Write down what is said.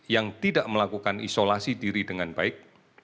yang tidak melakukan isolasi diri dengan baik